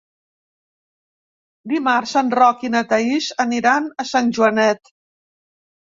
Dimarts en Roc i na Thaís aniran a Sant Joanet.